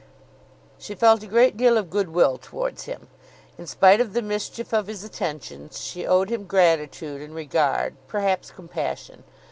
She felt a great deal of good will towards him. In spite of the mischief of his attentions, she owed him gratitude and regard, perhaps compassion.